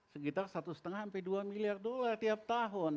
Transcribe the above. sekitar satu lima sampai dua miliar dolar tiap tahun